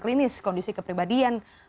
klinis kondisi kepribadian